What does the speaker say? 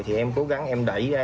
thì em cố gắng em đẩy ra